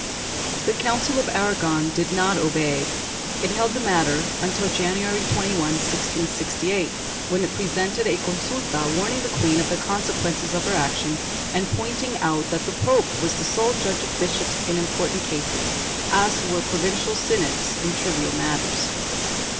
The Council of Aragon did not obey. It held the matter until January 21, 1668, when it presented a consulta warning the queen of the consequences of her action and pointing out that the pope was the sole judge of bishops in important cases, as were provincial synods in trivial matters.